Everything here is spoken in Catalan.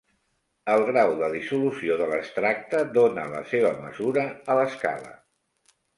El grau de dissolució de l'extracte dóna la seva mesura a l'escala.